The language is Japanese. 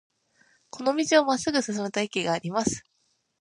この道をまっすぐ進むと駅があります。